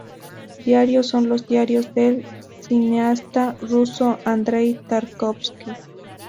Diarios son los diarios del cineasta Ruso Andrei Tarkovski.